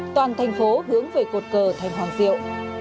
toàn thành phố hướng về cột cờ thành hoàng diệu